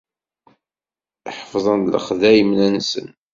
Ḥefḍen lexdayem-nsen.